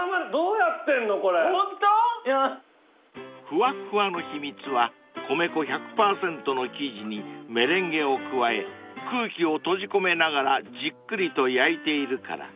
［ふわっふわの秘密は米粉１００％の生地にメレンゲを加え空気を閉じ込めながらじっくりと焼いているから］